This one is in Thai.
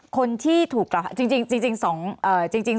คนที่ถูกกราบจริง